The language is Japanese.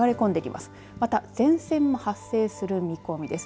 また前線も発生する見込みです。